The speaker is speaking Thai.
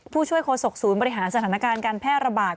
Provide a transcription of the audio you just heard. ผู้ช่วยโฆษกศูนย์บริหารสถานการณ์การแพร่ระบาด